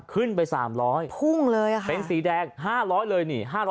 ขึ้นไป๓๐๐เป็นสีแดง๕๐๐เลย